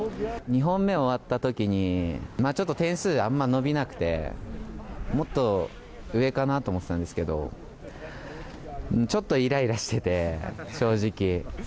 ２本目終わったときに、ちょっと点数あんま伸びなくて、もっと上かなと思ってたんですけど、ちょっといらいらしてて、正直。